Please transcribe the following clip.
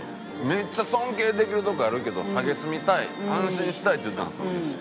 めっちゃ尊敬できるとこあるけど蔑みたい安心したいって言ってたんですよ。